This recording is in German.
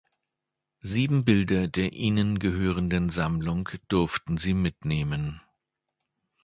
Sieben Bilder der ihnen gehörenden Sammlung durften sie mitnehmen.